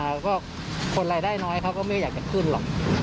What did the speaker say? แล้วก็คนรายได้น้อยเขาก็ไม่อยากจะขึ้นหรอก